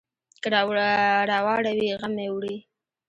که راواړوي، غم مې وړي.